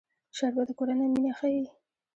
شربت د کورنۍ مینه ښيي